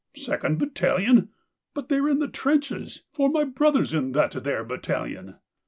" Second battalion ? But they're in the trenches, for my brother's in that there bat talion."